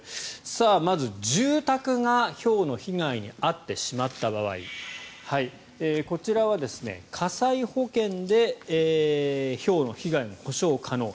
まず住宅がひょうの被害に遭ってしまった場合こちらは火災保険でひょうの被害も補償可能。